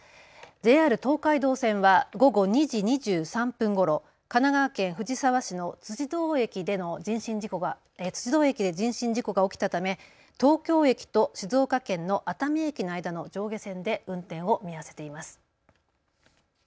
ＪＲ東海道線は午後２時２３分ごろ、神奈川県藤沢市の辻堂駅で人身事故が起きたため東京駅と静岡県の熱海駅の間の上下線で運転を見合わせています。